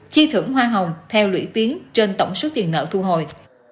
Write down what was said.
chi thưởng hoa hồng theo lũy tiếng trên tổng suất tiền nợ thu hồi